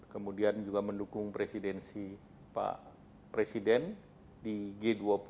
kemudian juga mendukung presidensi pak presiden di g dua puluh